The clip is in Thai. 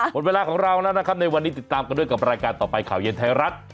หมดเวลาของเราแล้วนะครับในวันนี้ติดตามกันด้วยกับรายการต่อไปข่าวเย็นไทยรัฐ